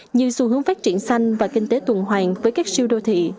như xu hướng phát triển xanh và kinh tế tuần hoàng với các siêu đô thị